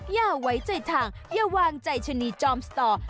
อย่าไว้ใจทางอย่าวางใจชะนีจอมสตอ